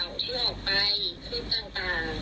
ก็คือข่าวที่ออกไปคลิปต่าง